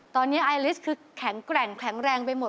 ตอนนี้ไอลิสคือแข็งแกร่งแข็งแรงไปหมด